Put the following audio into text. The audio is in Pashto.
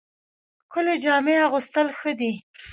ښکلې جامې اغوستل ښه دي